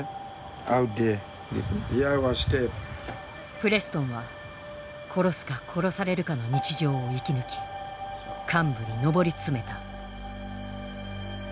プレストンは殺すか殺されるかの日常を生き抜き幹部に上り詰めた。